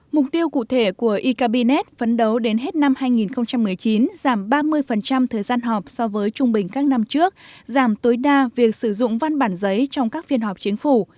mục tiêu cụ thể của e cabinet phấn đấu đến hết năm hai nghìn một mươi chín giảm ba mươi thời gian họp so với trung bình các năm trước giảm tối đa việc sử dụng văn bản giấy trong các phiên họp chính phủ